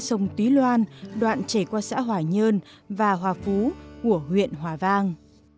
của vên sông tý loan đoạn chảy qua xã hỏa nhơn và hòa phú của huyện hòa vang